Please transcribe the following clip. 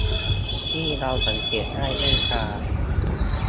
ที่เราสังเกตได้ด้วยตา